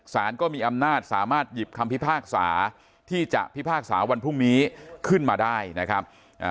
สารก็มีอำนาจสามารถหยิบคำพิพากษาที่จะพิพากษาวันพรุ่งนี้ขึ้นมาได้นะครับ